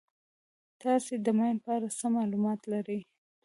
تاسې د ماین په اړه څه معلومات لرئ.